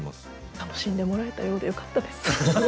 楽しんでもらえたようでよかったです。